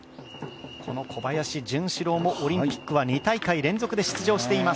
この小林潤志郎もオリンピックは２大会連続で出場しています。